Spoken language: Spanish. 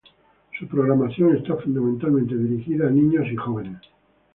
Su programación está fundamentalmente dirigida a niños y jóvenes.